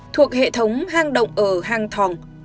thuộc hệ thống hang động ở hang thòng